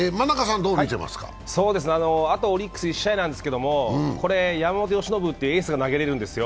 あとオリックス、１試合なんですけど山本由伸ってエースが投げられるんですよ。